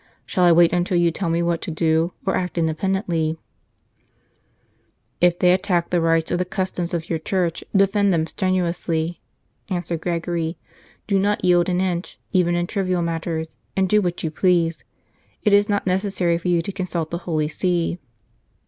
" Shall I wait until you tell me what to do, or act in dependently ?" 177 N St. Charles Borromeo " If they attack the rights or the customs of your Church, defend them strenuously," answered Gregory. " Do not yield an inch, even in trivial matters, and do what you please ; it is not neces sary for you to consult the Holy See."